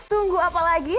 yes tunggu apa lagi